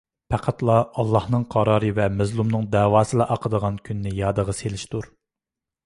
پەقەتلا ئاللاھنىڭ قارارى ۋە مەزلۇمنىڭ دەۋاسىلا ئاقىدىغان كۈننى يادىغا سېلىشتۇر.